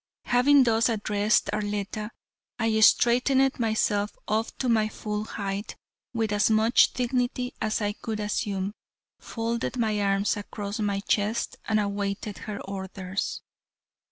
Having thus addressed Arletta, I straightened myself up to my full height with as much dignity as I could assume, folded my arms across my chest and awaited her orders.